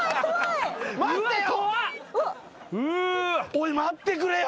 おい待ってくれよ。